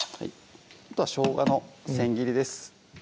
あとはしょうがのせん切りです